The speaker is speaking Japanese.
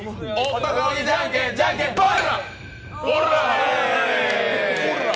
男気じゃんけん、じゃんけんぽい！